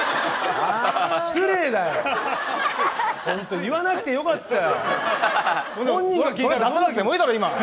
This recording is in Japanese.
失礼だよ、言わなくてよかったよ！